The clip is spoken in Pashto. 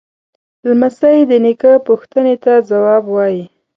لمسی د نیکه پوښتنې ته ځواب وايي.